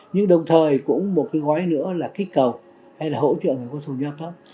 nhưng đồng thời cũng một cái gói nữa là kích cầu hay là hỗ trợ người có thu nhập thấp